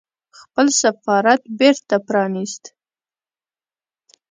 خپل سفارت بېرته پرانيست